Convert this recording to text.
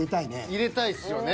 入れたいっすよね。